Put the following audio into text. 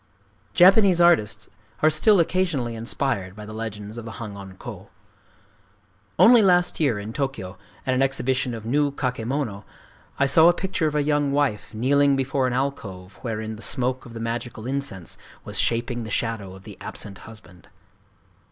Japanese artists are still occasionally inspired by the legends of the Hangon ho. Only last year, in Tōkyō, at an exhibition of new kakemono, I saw a picture of a young wife kneeling before an alcove wherein the smoke of the magical incense was shaping the shadow of the absent husband.